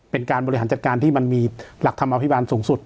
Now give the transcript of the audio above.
เป็นการบริหารจัดการที่มันมีหลักธรรมอภิบาลสูงสุด